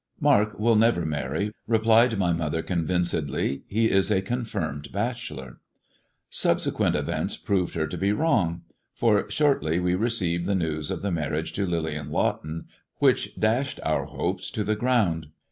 ' "Mark will never marry," replied my mother con vincedly; "he is a confirmed bachelor." Subsequent events proved her to be wrong, for shortly we received the news of the marriage to Lillian Lawton, which dashed our hopes to the ground.